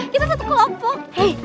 kita satu kelompok